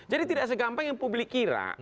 jadi tidak segampang yang publik kira